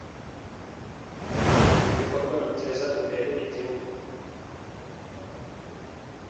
ibikorwa biteza imbere igihugu,